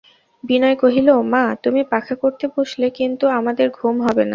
বিনয় কহিল, মা, তুমি পাখা করতে বসলে কিন্তু আমাদের ঘুম হবে না।